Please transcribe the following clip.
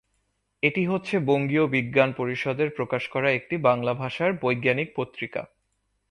এটি হচ্ছে বঙ্গীয় বিজ্ঞান পরিষদের প্রকাশ করা একটি বাংলা ভাষার বৈজ্ঞানিক পত্রিকা।